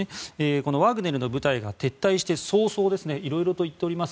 このワグネルの部隊が撤退して早々色々と行っております。